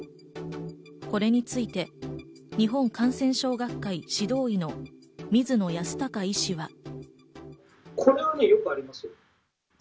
これについて日本感染症学会・指導医の水野泰孝医師は。